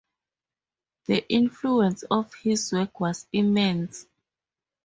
The influence of his work was immense.